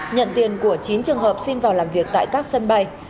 nhận tiền của chín trường hợp xin vào làm việc tại các sân bay